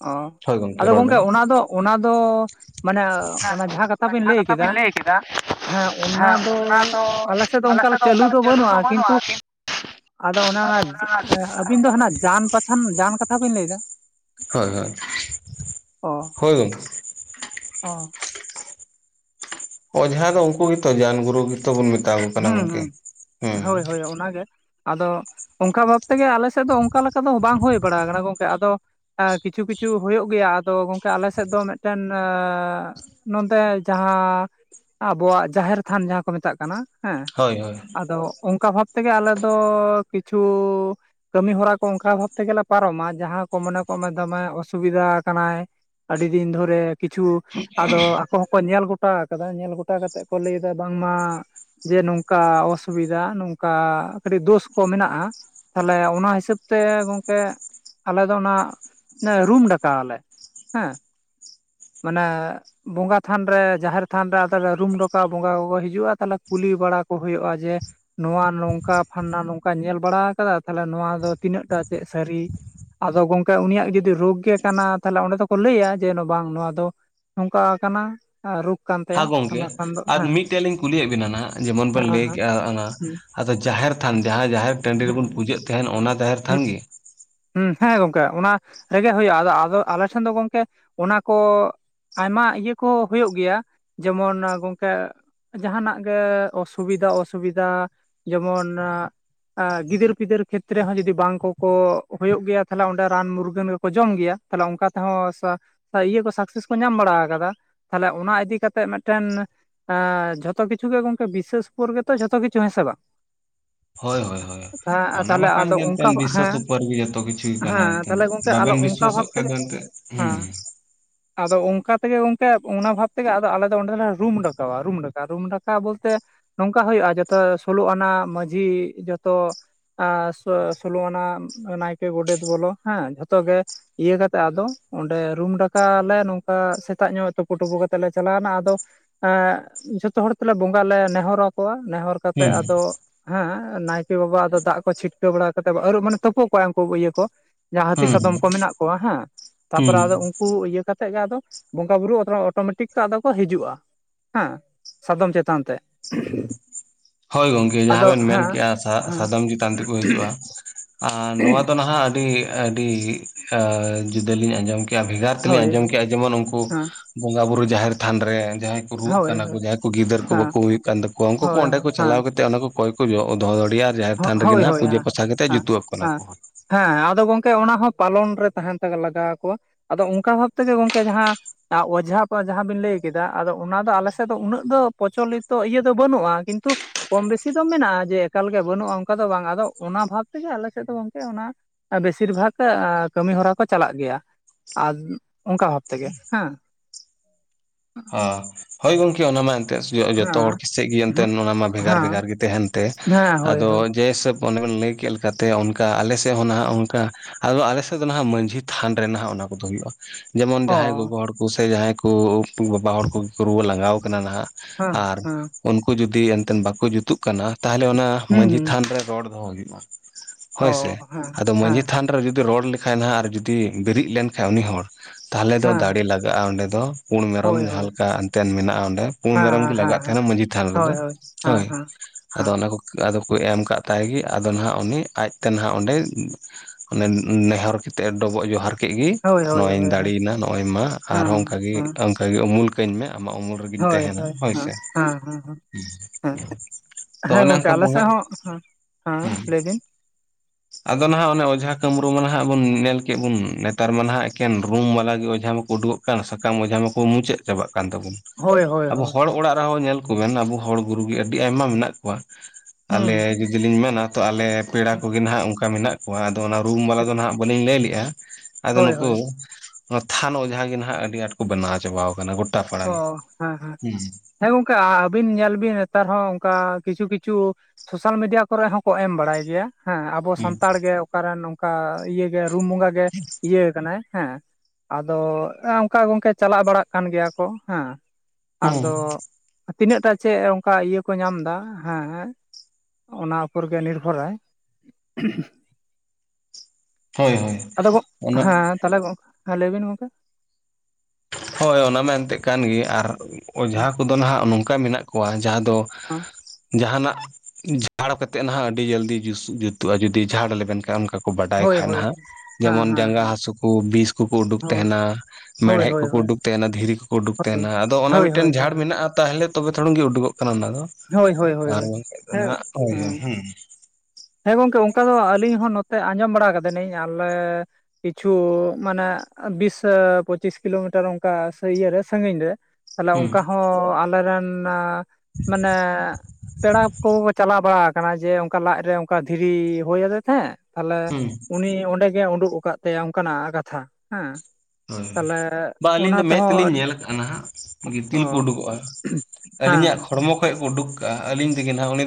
ᱚ ᱦᱳᱭ ᱟᱫᱚ ᱨᱚᱲ ᱜᱚᱢᱠᱮ ᱵᱮᱱ ᱚᱱᱟ ᱫᱚ ᱚᱱᱟ ᱫᱚ ᱢᱟᱱᱮ ᱚᱱᱟ ᱡᱟᱦᱟᱸ ᱠᱟᱛᱷᱟ ᱚᱱᱟ ᱡᱟᱦᱟᱸ ᱠᱟᱛᱷᱟ ᱵᱤᱱ ᱞᱟᱹᱭ ᱠᱮᱫᱟ? ᱦᱮᱸ ᱚᱱᱟ ᱫᱚ ᱟᱞᱮ ᱥᱮᱫ ᱫᱚ ᱚᱱᱠᱟ ᱪᱟᱹᱞᱩ ᱫᱚ ᱵᱟᱹᱱᱩᱜᱼᱟ ᱠᱤᱱᱛᱩ ᱟᱫᱚ ᱚᱱᱮ ᱚᱱᱟ ᱟᱹᱵᱤᱱ ᱫᱚ ᱦᱟᱱᱟ ᱡᱟᱱ ᱯᱟᱪᱷᱟᱱ ᱡᱟᱱ ᱠᱟᱛᱷᱟ ᱵᱤᱱ ᱞᱟᱹᱭ ᱫᱟ? ᱦᱳᱭ ᱦᱳᱭ ᱚ ᱾ ᱦᱳᱭ ᱜᱚᱢᱠᱮ ᱚ ᱾ ᱚᱡᱷᱟ ᱫᱚ ᱩᱸᱠᱩ ᱜᱮᱛᱚ, ᱡᱟᱱ ᱜᱩᱨᱩ ᱜᱮᱛᱚ ᱵᱚᱱ ᱢᱮᱛᱟ ᱠᱚ ᱠᱟᱱᱟ ᱜᱚᱝᱠᱮ, ᱦᱩᱸ ᱾ ᱦᱮᱸ ᱚᱱᱟᱜᱮ? ᱟᱫᱚ ᱚᱸᱠᱟ ᱵᱷᱟᱵ ᱛᱮᱜᱮ ᱟᱞᱮ ᱥᱮᱫ ᱫᱚ ᱚᱸᱠᱟ ᱞᱮᱠᱟ ᱫᱚ ᱵᱟᱝ ᱦᱩᱭ ᱵᱟᱲᱟ ᱟᱠᱟᱱᱟ ᱜᱚᱝᱠᱮ ᱟᱫᱚ ᱟᱹ ᱠᱤᱪᱷᱩ ᱠᱤᱪᱷᱩ ᱦᱩᱭᱳᱜ ᱜᱮᱭᱟ ᱟᱫᱚ ᱜᱚᱝᱠᱮ ᱟᱞᱮ ᱥᱮᱫ ᱫᱚ ᱢᱤᱫᱴᱟᱹᱱ ᱟᱸ ᱱᱚᱱᱛᱮ ᱡᱟᱦᱟᱸ ᱟᱵᱚᱣᱟᱜ ᱡᱟᱦᱮᱨ ᱛᱷᱟᱱ ᱡᱟᱦᱟᱸ ᱠᱚ ᱢᱮᱛᱟᱜ ᱠᱟᱱᱟ ᱦᱮᱸ ᱦᱳᱭ ᱦᱳᱭ ᱟᱫᱚ ᱚᱸᱠᱟ ᱵᱷᱟᱵ ᱛᱮᱜᱮ ᱟᱞᱮ ᱫᱚ ᱠᱤᱪᱷᱩ ᱠᱟᱹᱢᱤ ᱦᱚᱨᱟ ᱠᱚ ᱚᱸᱠᱟ ᱵᱷᱟᱵᱽ ᱛᱮᱜᱮ ᱞᱮ ᱯᱟᱨᱚᱢᱟ ᱡᱟᱦᱟᱸ ᱠᱚ ᱢᱚᱱᱮ ᱠᱚᱜ ᱢᱮ ᱫᱚᱢᱮ ᱚᱥᱩᱵᱤᱫᱟ ᱟᱠᱟᱱᱟᱭ ᱟᱹᱰᱤ ᱫᱤᱱ ᱫᱷᱚᱨᱮᱫ ᱠᱤᱪᱷᱩ ᱟᱫᱚ ᱟᱠᱚ ᱦᱚᱸᱠᱚ ᱧᱮᱞ ᱜᱚᱴᱟ ᱦᱟᱠᱟᱫᱟ ᱧᱮᱞ ᱜᱚᱴᱟ ᱠᱟᱛᱮᱫ ᱠᱚ ᱞᱟᱹᱭ ᱮᱫᱟ ᱵᱟᱝ ᱢᱟ ᱡᱮ ᱱᱚᱝᱠᱟ ᱚᱥᱩᱵᱤᱫᱟ ᱱᱚᱝᱠᱟ ᱠᱟᱹᱴᱤᱡ ᱫᱳᱥ ᱠᱚ ᱢᱮᱱᱟᱜᱼᱟ, ᱛᱟᱦᱚᱞᱮ ᱚᱱᱟ ᱦᱤᱥᱟᱹᱵ ᱛᱮ ᱜᱚᱝᱠᱮᱜ ᱟᱞᱮ ᱫᱚ ᱚᱱᱟ ᱢᱟᱱᱮ ᱨᱩᱢ ᱰᱟᱠᱟᱣᱟᱞᱮ ᱾ ᱦᱮᱸᱜ ᱢᱟᱱᱮ ᱵᱚᱸᱜᱟ ᱛᱷᱟᱱ ᱨᱮ ᱡᱟᱦᱮᱨ ᱛᱷᱟᱱ ᱨᱮ ᱟᱫᱚ ᱞᱮ ᱨᱮ ᱨᱩᱢ ᱰᱳᱠᱟᱣ ᱵᱚᱸᱜᱟ ᱠᱚᱠᱚ ᱦᱤᱡᱩᱜᱼᱟ ᱛᱟᱦᱮᱞᱮ ᱠᱩᱞᱤ ᱵᱟᱲᱟ ᱠᱚ ᱦᱩᱭᱩᱜᱼᱟ ᱡᱮ ᱱᱚᱣᱟ ᱱᱚᱝᱠᱟ ᱯᱷᱟᱨᱱᱟ ᱱᱚᱝ ᱚᱠᱟ ᱧᱮᱞ ᱵᱟᱲᱟ ᱟᱠᱟᱫᱟ ᱛᱟᱦᱮᱞᱮ ᱱᱚᱣᱟ ᱫᱚ ᱛᱤᱱᱟᱹᱜ ᱴᱟᱜ ᱪᱮᱫ ᱥᱟᱹᱨᱤ? ᱟᱫᱚ ᱜᱚᱝᱠᱮ ᱩᱱᱤᱭᱟᱜ ᱡᱩᱫᱤ ᱨᱳᱜᱽ ᱜᱮ ᱠᱟᱱᱟ ᱛᱟᱦᱚᱞᱮ ᱚᱸᱰᱮ ᱫᱚᱠᱚ ᱞᱟᱹᱭᱼᱟ ᱡᱮ ᱱᱚᱝ ᱵᱟᱝ ᱱᱚᱣᱟ ᱫᱚ ᱱᱚᱝᱠᱟ ᱦᱟᱠᱟᱱᱟ, ᱟ ᱨᱳᱜᱽ ᱠᱟᱱ ᱛᱟᱭᱟ ᱵᱟᱠᱷᱟᱱ ᱫᱚ ᱦᱮᱸ ᱴᱟᱹᱜ ᱞᱤᱧ ᱠᱩᱞᱤᱭᱮᱜ ᱵᱤᱱᱟ ᱱᱷᱟᱸᱜ ᱡᱮᱢᱚᱱ ᱵᱮᱱ ᱦᱮᱸ ᱞᱟᱹᱭ ᱦᱮᱸ ᱠᱮᱜᱼᱟ ᱟᱱᱟ ᱦᱩᱸ ᱟᱫᱚ ᱡᱟᱦᱮᱨ ᱛᱷᱟᱱ ᱡᱟᱦᱟᱸ ᱡᱟᱦᱮᱨ ᱴᱟᱺᱰᱤ ᱨᱮᱵᱚᱱ ᱯᱩᱡᱟᱹᱜ ᱛᱟᱦᱮᱸᱱ ᱚᱱᱟ ᱡᱟᱦᱮᱨ ᱛᱷᱟᱱ ᱜᱮ? ᱦᱩᱸ ᱦᱮᱸ ᱜᱚᱝᱠᱮ ᱚᱱᱟ ᱨᱮᱜᱮ ᱦᱩᱭᱩᱜᱼᱟ ᱟᱫᱚ ᱟᱫᱚ ᱟᱞᱮ ᱴᱷᱮᱱ ᱫᱚ ᱜᱚᱝᱠᱮ ᱚᱱᱟ ᱠᱚ ᱟᱭᱢᱟᱜ ᱤᱭᱟᱹ ᱠᱚ ᱦᱩᱭᱩᱜ ᱜᱮᱭᱟ ᱡᱮᱢᱚᱱ ᱜᱚᱝᱠᱮ ᱡᱟᱦᱟᱸᱱᱟᱜ ᱜᱮ ᱚᱥᱩᱵᱤᱫᱟ ᱚᱥᱩᱵᱤᱫᱟ ᱡᱮᱢᱚᱱ ᱟᱸ ᱜᱤᱫᱟᱹᱨ ᱯᱤᱫᱟᱹᱨ ᱠᱷᱮᱛ ᱨᱮᱦᱚᱸ ᱡᱩᱫᱤ ᱵᱟᱝ ᱠᱚᱠᱚ ᱦᱳᱭᱳᱜ ᱜᱮᱭᱟ ᱛᱟᱦᱚᱞᱮ ᱚᱸᱰᱮ ᱨᱟᱱ ᱢᱩᱨᱜᱟᱹᱱ ᱜᱮᱠᱚ ᱡᱚᱢ ᱜᱮᱭᱟ ᱛᱟᱦᱚᱞᱮ ᱚᱸᱠᱟ ᱛᱮᱦᱚᱸ ᱥᱟ- ᱤᱭᱟᱹ ᱠᱚ ᱥᱟᱠᱥᱮᱥ ᱠᱚ ᱧᱟᱢ ᱵᱟᱲᱟ ᱦᱟᱠᱟᱫᱟ ᱛᱟᱦᱮᱞᱮ ᱚᱱᱟ ᱤᱫᱤ ᱠᱟᱛᱮᱫ ᱢᱤᱫᱴᱟᱹᱱ ᱮᱸ ᱡᱷᱚᱛᱚ ᱠᱤᱪᱷᱩ ᱜᱮ ᱜᱚᱝᱠᱮ ᱵᱤᱥᱥᱮᱥ ᱯᱚᱨ ᱜᱮᱛᱚ ᱡᱷᱚᱛᱚ ᱠᱤᱪᱷᱩ ᱜᱮ ᱦᱮᱸ ᱥᱮ ᱵᱟᱝ? ᱦᱳᱭ ᱦᱳᱭ ᱦᱳᱭ, ᱚᱱᱟ ᱢᱟ ᱛᱟᱦᱚᱞᱮ ᱠᱟᱱ ᱜᱮ ᱟᱫᱚ ᱠᱤᱱ ᱚᱱᱠᱟ ᱮᱠᱮᱱ ᱵᱤᱥᱥᱟᱹᱥ ᱦᱮᱸ ᱩᱯᱚᱨ ᱜᱮ ᱡᱚᱛᱚ ᱠᱤᱪᱷᱩ ᱦᱩᱭᱩᱜ ᱠᱟᱱᱟ ᱦᱮᱸ ᱮᱱᱛᱮᱱ, ᱛᱟᱦᱚᱞᱮ ᱜᱚᱝᱠᱮ ᱟᱞᱚ ᱵᱟᱵᱮᱱ ᱚᱱᱠᱟ ᱵᱷᱟᱵ ᱵᱤᱥᱣᱟᱹᱥᱚᱜ ᱠᱷᱟᱜ ᱛᱮᱜᱮ ᱫᱚ ᱮᱱᱛᱮᱜ, ᱦᱩᱸ ᱦᱮᱸ ᱟᱫᱚ ᱚᱸᱠᱟ ᱛᱮᱜᱮ ᱜᱚᱝᱠᱮᱯ ᱚᱱᱟ ᱵᱷᱟᱵ ᱛᱮᱜᱮ ᱟᱫᱚ ᱟᱞᱮ ᱫᱚ ᱚᱸᱰᱮ ᱞᱮ ᱨᱩᱢ ᱰᱟᱠᱟᱣᱟ ᱨᱩᱢ ᱰᱟᱠᱟᱣ ᱨᱩᱢ ᱰᱟᱠᱟᱣ ᱵᱚᱞᱛᱮ ᱱᱚᱝᱠᱟ ᱦᱩᱭᱳᱜᱼᱟ ᱡᱚᱛᱚ ᱥᱳᱞᱳ ᱟᱱᱟ ᱢᱟᱺᱡᱷᱤ ᱡᱚᱛᱚ ᱟ ᱥᱚᱥ ᱥᱳᱞᱳ ᱟᱱᱟᱜ ᱱᱟᱭᱠᱮ ᱜᱚᱰᱮᱛ ᱵᱚᱞᱚ ᱦᱮᱸ ᱡᱷᱚᱛᱚ ᱜᱮ ᱤᱭᱟᱹ ᱠᱟᱛᱮᱜ ᱟᱫᱚ ᱚᱸᱰᱮ ᱨᱩᱢ ᱰᱟᱠᱟᱣ ᱟᱞᱮ ᱱᱚᱝᱠᱟ ᱥᱮᱛᱟᱜ ᱧᱚᱜ ᱴᱩᱯᱩ ᱴᱩᱯᱩ ᱠᱟᱛᱮᱫ ᱞᱮ ᱪᱟᱞᱟᱣᱮᱱᱟ ᱟᱫᱚ ᱮᱸ ᱡᱷᱚᱛᱚ ᱦᱚᱲ ᱛᱮᱞᱮ ᱵᱚᱸᱜᱟ ᱞᱮ ᱱᱮᱦᱚᱨ ᱟᱠᱚᱣᱟ ᱱᱮᱦᱚᱨ ᱠᱟᱛᱮ ᱦᱩᱸ ᱟᱫᱚ ᱦᱮᱸ ᱱᱟᱭᱠᱮ ᱵᱟᱵᱟ ᱟᱫᱚ ᱫᱟᱜ ᱠᱚ ᱪᱷᱤᱴᱠᱟᱹᱣ ᱵᱟᱲᱟ ᱠᱟᱛᱮᱵ ᱟᱹᱨᱩᱵ ᱢᱟᱱᱮ ᱛᱩᱯᱳ ᱠᱚᱜᱟᱭ ᱩᱱᱠᱩ ᱤᱭᱟᱹ ᱠᱚ ᱡᱟᱦᱟᱸ ᱦᱟᱹᱛᱤ ᱦᱩᱸ ᱥᱟᱫᱚᱢ ᱠᱚ ᱢᱮᱱᱟᱜ ᱠᱚᱣᱟ ᱦᱮᱸ ᱛᱟᱯᱚᱨᱮ ᱦᱩᱸ ᱟᱫᱚ ᱩᱸ ᱠᱩ ᱤᱭᱟᱹ ᱠᱟᱛᱮᱜ ᱜᱮ ᱟᱫᱚ ᱵᱚᱸᱜᱟ ᱵᱩᱨᱩ ᱚᱛᱷᱲᱟᱣ ᱚᱴᱳᱢᱮᱴᱤᱠ ᱟᱫᱚ ᱠᱚ ᱦᱤᱡᱩᱜᱼᱟ ᱾ ᱦᱮᱸ ᱥᱟᱫᱚᱢ ᱪᱮᱛᱟᱱ ᱛᱮ, [unintelligible] ᱦᱳᱭ ᱜᱚᱝᱠᱮ ᱟᱫᱚ ᱡᱟᱦᱟᱸ ᱵᱮᱱ ᱢᱮᱱ ᱦᱮᱸ ᱠᱮᱜᱼᱟ ᱥᱟ ᱦᱮᱸ ᱥᱟᱫᱚᱢ ᱪᱮᱛᱟᱱ ᱛᱮᱠᱚ ᱦᱤᱡᱩᱜᱼᱟ ᱟᱨ ᱱᱚᱣᱟ ᱫᱚ ᱱᱷᱟᱸᱜ ᱟᱹᱰᱤ ᱟᱹᱰᱤ ᱟᱹ ᱡᱩᱫᱟᱹ ᱞᱤᱧ ᱟᱸᱡᱚᱢ ᱠᱮᱜᱼᱟ ᱵᱷᱮᱜᱟᱨ ᱛᱮ ᱞᱤᱧ ᱦᱳᱭ ᱟᱸᱡᱚᱢ ᱦᱳᱭ ᱠᱮᱜᱼᱟ, ᱡᱮᱢᱚᱱ ᱩᱸᱠᱩ ᱦᱮᱸ ᱵᱚᱸᱜᱟ ᱵᱩᱨᱩ ᱡᱟᱦᱮᱨ ᱛᱷᱟᱱ ᱨᱮ ᱡᱟᱦᱟᱸᱭ ᱨᱩᱣᱟᱹᱜ ᱦᱳᱭ ᱠᱟᱱᱟ ᱠᱚ ᱦᱳᱭ ᱡᱟᱦᱟᱸᱭ ᱠᱚ ᱜᱤᱫᱟᱹᱨ ᱠᱚ ᱦᱮᱸ ᱵᱟᱠᱚ ᱦᱩᱭᱩᱜ ᱠᱟᱱ ᱛᱟᱠᱚᱣᱟ ᱩᱸᱠᱩ ᱠᱚ ᱦᱳᱭ ᱚᱸᱰᱮ ᱠᱚ ᱦᱮᱸ ᱪᱟᱞᱟᱣ ᱠᱟᱛᱮ ᱚᱱᱟ ᱠᱚ ᱠᱚᱭ ᱠᱚ ᱡᱚᱜ ᱫᱚᱦᱚ ᱫᱟᱲᱮᱭᱟᱜᱼᱟ ᱡᱟᱦᱮᱨ ᱦᱳ ᱛᱷᱟᱱ ᱨᱮᱜᱮ ᱦᱳᱭ ᱱᱷᱟᱸᱜ ᱦᱳᱭ ᱯᱩᱡᱟᱹ ᱦᱮᱸ ᱯᱟᱥᱟ ᱠᱟᱛᱮ ᱦᱮᱸ ᱡᱩᱛᱩᱜ ᱟᱠᱚ ᱱᱷᱟᱸᱜ ᱦᱮᱸ ᱠᱚ ᱾ ᱦᱮᱸ ᱟᱫᱚ ᱜᱚᱝᱠᱮ ᱚᱱᱟ ᱦᱚᱸ ᱯᱟᱞᱚᱱ ᱨᱮ ᱛᱟᱦᱮᱸᱱ ᱞᱟᱜᱟᱣ ᱟᱠᱚᱣᱟ, ᱟᱫᱚ ᱚᱸᱠᱟ ᱵᱷᱟᱵᱽ ᱛᱮᱜᱮ ᱜᱚᱝᱠᱮ ᱡᱟᱦᱟᱸ ᱟ ᱚᱡᱷᱟ ᱯᱟ ᱡᱟᱦᱟᱸ ᱵᱤᱱ ᱞᱟᱹᱭ ᱠᱮᱫᱟ ᱟᱫᱚ ᱚᱱᱟ ᱫᱚ ᱟᱞᱮ ᱥᱮᱫ ᱫᱚ ᱩᱱᱟᱹᱜ ᱫᱚ ᱯᱚᱪᱚᱞᱤᱛ ᱫᱚ ᱤᱭᱟᱹ ᱫᱚ ᱵᱟᱹᱱᱩᱜᱼᱟ ᱠᱤᱱᱛᱩ ᱠᱚᱢ ᱵᱮᱥᱤ ᱫᱚ ᱢᱮᱱᱟᱜᱼᱟ ᱡᱮ ᱮᱠᱟᱞ ᱜᱮ ᱵᱟᱹᱱᱩᱜᱼᱟ, ᱚᱸᱠᱟ ᱫᱚ ᱵᱟᱝ, ᱟᱫᱚ ᱚᱱᱟ ᱵᱷᱟᱵᱽ ᱛᱮᱜᱮ ᱟᱞᱮ ᱥᱮᱫ ᱫᱚ ᱜᱚᱝᱠᱮ ᱚᱱᱟ ᱵᱮᱥᱤᱨ ᱵᱷᱟᱜᱽ ᱟ ᱠᱟᱹᱢᱤ ᱦᱚᱨᱟ ᱠᱚ ᱪᱟᱞᱟᱜ ᱜᱮᱭᱟ, ᱟᱨ ᱚᱱᱠᱟ ᱵᱷᱟᱵ ᱛᱮᱜᱮ ᱦᱮᱸ, ᱚ ᱦᱳᱭ ᱜᱚᱝᱠᱮ ᱚᱱᱟᱢᱟ ᱛᱮᱫ ᱥᱩᱼᱟ ᱡᱚᱛᱚ ᱦᱚᱲ ᱦᱮᱸ ᱥᱮᱡ ᱜᱤ ᱚᱱᱛ ᱚᱱᱟ ᱢᱟ, ᱵᱷᱮᱜᱟᱨ ᱦᱮᱸ ᱵᱷᱮᱜᱟᱨ ᱜᱮ ᱛᱟᱦᱮᱱ ᱛᱮ ᱦᱮᱸ ᱦᱳᱭ ᱟᱫᱚ ᱦ ᱦᱳᱭ ᱡᱮ ᱦᱤᱥᱟᱹᱵ ᱚᱱᱮ ᱵᱮᱱ ᱞᱟᱹᱭ ᱠᱮᱫ ᱞᱮᱠᱟᱛᱮ, ᱚᱱᱠᱟ ᱟᱞᱮᱥᱮᱫ ᱦᱚᱸ ᱱᱟᱦᱟᱜ ᱚᱱᱠᱟ ᱟᱫᱚ ᱟᱞᱮᱥᱮᱫ ᱫᱚ ᱱᱟᱦᱱᱟᱜ ᱢᱟᱺᱡᱷᱤ ᱛᱷᱟᱱ ᱨᱮ ᱱᱟᱦᱟᱜ ᱚᱱᱟ ᱠᱚᱫᱚ ᱦᱩᱭᱩᱜᱼᱟ᱾ ᱡᱮᱢᱚᱱ ᱚ ᱡᱟᱦᱟᱸᱭ ᱜᱚᱜᱚ ᱦᱚᱲ ᱠᱚ ᱥᱮ ᱡᱟᱦᱟᱸᱭ ᱠᱩ, ᱩᱱᱠᱩ ᱵᱟᱵᱟ ᱦᱚᱲ ᱠᱚᱜᱮᱠᱩ ᱨᱩᱣᱟᱹ ᱞᱟᱸᱜᱟᱣ ᱠᱟᱱᱟ ᱱᱟᱦᱟᱜ, ᱦᱮᱸ ᱟᱨ ᱦᱮᱸ ᱩᱱᱠᱩ ᱡᱩᱫᱤ ᱮᱱᱛᱮᱱ ᱵᱟᱠᱚ ᱡᱩᱛᱩᱜ ᱠᱟᱱᱟ, ᱛᱟᱦᱞᱮ ᱚᱱᱟ ᱦᱩᱸ ᱢᱟᱺᱡᱷᱤ ᱦᱩᱸ ᱛᱷᱟᱱ ᱨᱮ ᱨᱚᱲ ᱫᱚᱦᱚ ᱦᱩᱭᱩᱜᱼᱟ ᱚ ᱦᱳᱭᱥᱮ, ᱦᱮᱸ ᱟᱫᱚ ᱢᱟᱺᱡᱷᱤ ᱦᱮᱸ ᱛᱷᱟᱱ ᱨᱮ ᱡᱩᱫᱤ ᱨᱚᱲ ᱞᱮᱠᱷᱟᱱ ᱱᱟᱦᱟᱜ, ᱟᱨ ᱡᱩᱫᱤ ᱵᱮᱨᱮᱫ ᱞᱮᱱᱠᱷᱟᱡ ᱩᱱᱤ ᱦᱚᱲ, ᱛᱟᱦᱞᱮ ᱫᱚ ᱦᱮᱸ ᱫᱟᱲᱮ ᱞᱟᱜᱟᱜᱼᱟ ᱚᱸᱰᱮ ᱫᱚ, ᱯᱩᱲ ᱢᱮᱨᱚᱢ ᱦᱳᱭ ᱦᱳᱭ ᱡᱟᱸᱦᱟᱸᱞᱮᱠᱟ ᱮᱱᱛᱮ ᱢᱮᱱᱟᱜᱼᱟ ᱚᱰᱮ, ᱯᱩᱲ ᱢᱮᱨᱚᱢ ᱜᱮ ᱦᱮᱸ ᱞᱟᱜᱟᱜ ᱛᱟᱦᱮᱱᱟ ᱦᱮᱸ ᱢᱟᱺᱡᱷᱤ ᱛᱷᱟᱱ ᱨᱮᱫᱚ, ᱦᱳᱭ ᱦᱳᱭ ᱦᱮᱸ ᱦᱳᱭ ᱦᱮᱸ ᱟᱫᱚ ᱦᱮᱸ ᱚᱱᱟ ᱠᱚ ᱟᱫᱚ ᱠᱚ ᱮᱢ ᱠᱟᱜ ᱛᱟᱭ ᱜᱤ, ᱟᱫᱚ ᱱᱟᱜ ᱩᱱᱤ ᱟᱡᱚ ᱛᱮ ᱱᱟᱦᱱᱟᱜ ᱚᱸᱰᱮ ᱚᱱᱮ ᱱᱮᱦᱚᱨ ᱠᱟᱛᱮ ᱰᱚᱵᱚᱜ ᱡᱚᱦᱟᱨ ᱠᱮᱜ ᱜᱤ ᱦᱳᱭ ᱟᱨ ᱦᱳᱭ ᱱᱚᱜ ᱤᱧ ᱦᱳᱭ ᱦᱮᱸ ᱫᱟᱲᱮᱱᱟ, ᱱᱚᱜ ᱚᱭ ᱢᱟ ᱟᱨᱦᱚᱸ ᱚᱱᱠᱟ ᱜᱤ ᱦᱮᱸ ᱚᱱᱠᱟᱜᱤ ᱩᱢᱩᱞ ᱠᱟᱹᱧ ᱢᱮ ᱟᱢᱟᱜ ᱩᱢᱩᱞ ᱨᱮᱜᱤᱧ ᱦᱳᱭ ᱛᱟᱦᱮᱱᱟ ᱦᱳᱭ, ᱦ ᱦᱮᱸ ᱥᱮ ᱦᱮᱸ ᱦᱮᱸ, ᱦᱮᱸ ᱛᱚ ᱦᱮᱸ ᱚᱱᱮ ᱜᱚᱝᱠᱮ, ᱚᱱᱠᱟ ᱟᱞᱮ ᱵᱚᱸᱜᱟ ᱥᱮᱫ ᱦᱚᱸ, ᱦᱮᱸ ᱦᱩᱸ ᱞᱟᱹᱭ ᱵᱤᱱ, ᱟᱫᱚ ᱱᱟᱦᱟᱜ ᱚᱱᱮ ᱚᱡᱷᱟ ᱠᱟᱹᱢᱨᱩ ᱢᱟ ᱱᱟᱦᱟᱜ ᱵᱚᱱ ᱧᱮᱞ ᱠᱮᱫ ᱵᱚᱱ ᱱᱮᱛᱟᱨ ᱢᱟ ᱱᱟᱦᱟᱜ ᱮᱠᱮᱱ ᱨᱩᱢ ᱵᱟᱞᱟᱜᱮ ᱚᱡᱷᱟ ᱢᱟᱠᱚ ᱩᱰᱩᱠᱚᱜ ᱠᱟᱱ, ᱥᱟᱠᱟᱢ ᱚᱡᱷᱟ ᱢᱟᱠᱚ ᱢᱩᱪᱟᱹᱫ ᱪᱟᱵᱟᱜ ᱠᱟᱱ ᱛᱟᱵᱩ᱾ ᱦᱳᱭ ᱦᱳᱭ ᱟᱵᱚ ᱦᱳᱭ ᱦᱚᱲ ᱦᱳᱭ ᱚᱲᱟᱜ ᱨᱮᱦᱚᱸ ᱧᱮᱞ ᱠᱚᱵᱮᱱ, ᱟᱵᱚ ᱦᱚᱲ ᱜᱩᱨᱩ ᱜᱮ, ᱟᱹᱰᱤ ᱟᱭᱢᱟ ᱢᱮᱱᱟᱜ ᱠᱚᱣᱟ᱾ ᱟᱞᱮ ᱦᱩᱸ ᱡᱩᱫᱤ ᱞᱤᱧ ᱢᱮᱱᱟ, ᱛᱚ ᱟᱞᱮ ᱯᱮᱲᱟ ᱠᱚᱜᱮ ᱱᱟᱦᱱᱟᱜ ᱚᱱᱠᱟ ᱢᱮᱱᱟᱜ ᱠᱚᱣᱟ, ᱟᱫᱚ ᱚᱱᱟ ᱨᱩᱢ ᱵᱟᱞᱟ ᱫᱚ ᱦᱟᱜ ᱵᱟᱹᱞᱤᱧ ᱞᱟᱹᱭ ᱞᱮᱜᱼᱟ, ᱟᱫᱚ ᱦᱳᱭ ᱱᱩᱠᱩ ᱦᱳᱭ ᱚᱱᱟ ᱛᱷᱟᱱ ᱚᱡᱷᱟᱜ ᱜᱮ ᱱᱟᱦᱟᱜ, ᱟᱹᱰᱤ ᱟᱸᱴ ᱠᱚ ᱵᱮᱱᱟᱣ ᱪᱟᱵᱟᱣ ᱠᱟᱱᱟ ᱜᱚᱴᱟ ᱚ ᱯᱟᱲᱟᱮ, ᱦᱮᱸ ᱦᱮᱸ ᱦᱩᱸ ᱦᱮᱸ ᱜᱚᱝᱠᱮ, ᱟᱹᱵᱤᱱ ᱧᱮᱞ ᱵᱤᱱ ᱱᱮᱛᱟᱨ ᱦᱚᱸ ᱚᱱᱠᱟ ᱠᱤᱪᱷᱩ ᱠᱤᱪᱷᱩ, ᱥᱳᱥᱟᱞ ᱢᱤᱰᱤᱭᱟ ᱠᱚᱨᱮ ᱦᱚᱸᱠᱚ ᱮᱢ ᱵᱟᱲᱟᱭ ᱜᱮᱭᱟ᱾ ᱦᱮᱸ ᱟᱵᱚ ᱥᱟᱱᱛᱟᱲ ᱜᱮ, ᱚᱠᱟᱨᱮᱱ ᱚᱱᱠᱟ ᱤᱭᱟᱹ ᱜᱮ ᱨᱩᱢ ᱵᱚᱸᱜᱟ ᱜᱮ ᱤᱭᱟᱹ ᱠᱟᱱᱟᱭ᱾ ᱦᱮᱸ, ᱟᱫᱚ ᱚᱱᱠᱟ ᱜᱚᱝᱠᱮ ᱪᱟᱞᱟᱜ ᱵᱟᱲᱟᱜ ᱠᱟᱱ ᱜᱮᱭᱟ ᱠᱚ, ᱦᱮᱸ ᱦᱩᱸ ᱦᱩᱸ ᱟᱫᱚ ᱛᱤᱱᱟᱹᱜ ᱴᱟ ᱪᱮᱫ ᱚᱱᱠᱟ ᱤᱭᱟᱹ ᱠᱚ ᱧᱟᱢᱫᱟ, ᱦᱮᱸ ᱚᱱᱟ ᱩᱯᱚᱨ ᱜᱮ ᱱᱤᱨᱵᱷᱚᱨᱟᱭ [unintelligible] ᱦᱳᱭ ᱟᱫᱚ ᱜᱚ ᱚᱱᱟ ᱦᱮᱸ ᱛᱟᱦᱞᱮ ᱜᱚᱝ ᱞᱟᱹᱭ ᱵᱤᱱ ᱜᱚᱝᱠᱮ? ᱦᱳᱭ ᱚᱱᱟ ᱢᱟ ᱮᱱᱛᱜ ᱠᱟᱱᱜᱮ, ᱟᱨ ᱚᱡᱷᱟ ᱠᱚᱫᱚ ᱱᱟᱦᱟᱜ ᱱᱚᱝᱠᱟ ᱢᱮᱱᱟᱜ ᱠᱚᱣᱟ ᱡᱟᱦᱟᱸ ᱫᱚ, ᱦᱮᱸ ᱡᱟᱦᱟᱱᱟᱜ ᱡᱷᱟᱲ ᱠᱟᱛᱮ ᱱᱟᱦᱟᱜ ᱟᱹᱰᱤ ᱡᱟᱞᱫᱤ ᱡᱩᱥᱩ ᱡᱩᱛᱩᱜᱼᱟ, ᱡᱩᱫᱤ ᱡᱷᱟᱲ ᱞᱮᱵᱮᱱᱠᱷᱟᱱ ᱚᱱᱠᱟ, ᱵᱟᱰᱟᱭ ᱦᱳᱭ ᱠᱷᱟᱡ ᱦᱳᱭ ᱱᱟᱦᱟᱜ ᱦᱮᱸ ᱡᱮᱢᱚᱱ ᱦᱮᱸ ᱡᱟᱸᱜᱟ ᱦᱮᱸ ᱦᱟᱥᱩ ᱠᱚ, ᱵᱤᱥ ᱠᱚᱠᱚ ᱩᱰᱩᱠ ᱦᱳᱭ ᱛᱟᱦᱮᱱᱟ ᱦᱳᱭ ᱢᱮᱲᱦᱮ ᱦᱳᱭ ᱠᱚᱠᱩ ᱦᱳᱭ ᱩᱰᱩᱠ ᱛᱟᱦᱮᱱᱟ, ᱫᱷᱤᱨᱤ ᱠᱚᱠᱚ ᱩᱰᱩᱠ ᱛᱟᱦᱮᱱᱟ, ᱦᱳᱭ ᱟᱫᱚ ᱚᱱᱮ ᱦᱳᱭ ᱢᱤᱫᱴᱮᱱ ᱦᱳᱭ ᱦᱳᱭ ᱡᱷᱟᱲ ᱢᱮᱱᱟᱜᱼᱟ, ᱛᱟᱦᱞᱮ ᱛᱚᱵᱮ ᱛᱷᱚᱲᱚᱝ ᱜᱮ ᱩᱰᱩᱠᱚᱜ ᱠᱟᱱᱟ ᱚᱱᱟ ᱫᱚ᱾ ᱦᱳᱭ ᱦᱳᱭ ᱦᱳᱭ ᱦᱳᱭ ᱟᱨ ᱦᱳᱭ ᱵᱟᱝᱠᱟᱱ ᱫᱚ ᱦᱮᱸ ᱱᱟᱦᱟᱜ, ᱦᱳᱭ ᱦᱮᱸ ᱦᱳᱭ ᱦᱩᱸ ᱦᱮᱸ ᱜᱚᱝᱠᱮ ᱚᱱᱠᱟ ᱫᱚ ᱟᱹᱞᱤᱧ ᱦᱚᱸ ᱱᱚᱛᱮ, ᱟᱸᱡᱚᱢ ᱵᱟᱲᱟ ᱠᱟᱫᱟ ᱞᱤᱧ ᱟᱨᱞᱮ ᱠᱤᱪᱷᱩ ᱢᱟᱱᱮ ᱵᱤᱥ ᱮ ᱯᱚᱸᱪᱤᱥ ᱠᱤᱞᱳᱢᱤᱴᱟᱨ ᱚᱱᱠᱟ ᱤᱭᱟᱹᱨᱮ, ᱥᱟᱺᱜᱤᱧ ᱨᱮ, ᱛᱟᱦᱞᱮ ᱦᱩᱸ ᱚᱱᱠᱟ ᱦᱚᱸ ᱟᱞᱮᱨᱮᱱ ᱮ ᱢᱟᱱᱮ ᱯᱮᱲᱟ ᱠᱚ ᱪᱟᱞᱟᱣ ᱵᱟᱲᱟ ᱠᱟᱱᱟ ᱡᱮ, ᱚᱱᱠᱟ ᱞᱟᱡ ᱨᱮ ᱚᱱᱠᱟ ᱫᱷᱤᱨᱤ ᱦᱳᱭ ᱟᱫᱮ ᱛᱟᱦᱮᱸᱫ, ᱛᱟᱦᱞᱮ ᱦᱩᱸ ᱩᱱᱤ ᱚᱸᱰᱮ ᱜᱮ ᱩᱰᱩᱠ ᱟᱠᱟᱫ ᱛᱟᱭᱟ, ᱚᱱᱠᱟᱱᱟᱜ ᱠᱟᱛᱷᱟ ᱦᱮᱸ ᱦᱳᱭ, ᱛᱟᱦᱚᱞᱮ ᱵᱟ ᱟᱹᱞᱤᱧ ᱚᱱᱟ ᱫᱚ ᱢᱮᱫ ᱛᱮᱦᱚᱸ ᱛᱮᱞᱤᱧ ᱧᱮᱞ ᱟᱠᱟᱱᱟ ᱦᱟᱸᱜ, ᱚ ᱜᱤᱛᱤᱞ ᱠᱚ ᱩᱰᱩᱠᱚᱜᱼᱟ᱾ ᱦᱮᱸ ᱟᱹᱞᱤᱧᱟᱜ ᱦᱮᱸ ᱦᱚᱲᱢᱚ ᱠᱷᱚᱡ ᱠᱚ ᱩᱰᱩᱠ ᱠᱟᱜᱼᱟ, ᱟᱹᱞᱤᱧ ᱛᱮᱜᱮ ᱦᱟᱜ ᱩᱱᱤ ᱫᱚ